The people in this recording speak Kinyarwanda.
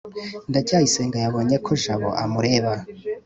ndacyayisenga yabonye ko jabo amureba